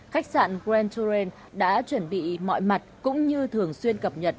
khách sạn grand tourand đã chuẩn bị mọi mặt cũng như thường xuyên cập nhật